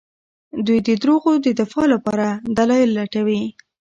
دوی د دروغو د دفاع لپاره دلايل لټوي.